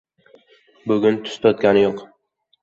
Bugun tuz totigani yo‘q.